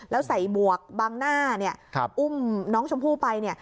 แล้วใส่บวกบางหน้าอุ้มน้องชมพู่ไป